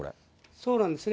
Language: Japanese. そうなんですね。